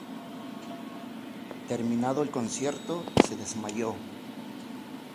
Terminado el concierto, se desmayó.